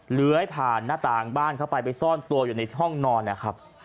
เลื้อยผ่านหน้าต่างบ้านเข้าไปไปซ่อนตัวอยู่ในห้องนอนนะครับ